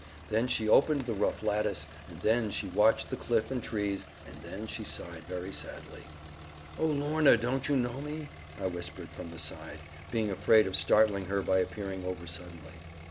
Then she opened the rough lattice, and then she watched the cliff and trees, and then she sighed very sadly. "O Lorna, don't you know me?" I whispered from the side, being afraid of startling her by appearing over suddenly.